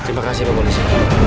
terima kasih pak polisi